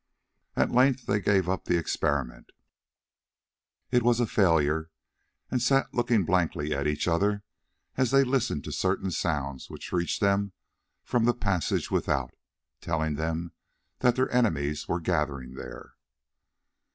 At length they gave up the experiment—it was a failure—and sat looking blankly at each other as they listened to certain sounds which reached them from the passages without, telling them that their enemies were gathering there.